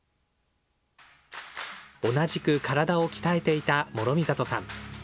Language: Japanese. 同じく体を鍛えていた諸見里さん。